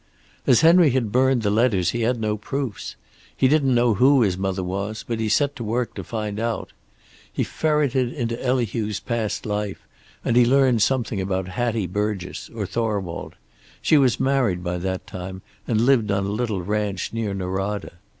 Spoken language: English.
"As Henry had burned the letters he had no proofs. He didn't know who his mother was, but he set to work to find out. He ferreted into Elihu's past life, and he learned something about Hattie Burgess, or Thorwald. She was married by that time, and lived on a little ranch near Norada.